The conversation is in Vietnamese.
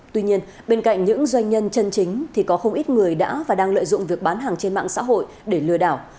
tuy nhiên bên cạnh những doanh nhân chân chính thì có không ít người đã và đang lợi dụng việc bán hàng trên mạng xã hội để lừa đảo